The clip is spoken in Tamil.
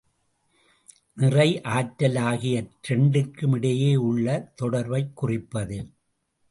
நிறை, ஆற்றல் ஆகிய இரண்டிற்குமிடையே உள்ள தொடர்பைக் குறிப்பது.